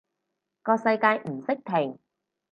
個世界唔識停